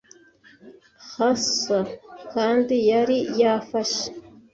hawser kandi yari yafashe.